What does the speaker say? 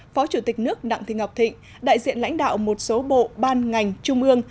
phó chủ tịch nước đặng thị ngọc thịnh đại diện lãnh đạo một số bộ ban ngành trung ương